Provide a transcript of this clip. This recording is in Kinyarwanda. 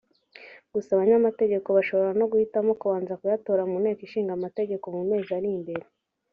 gusa abanyamategeko bashobora no guhitamo kubanza kuyatora mu Nteko Ishinga Amategeko mu mezi ari imbere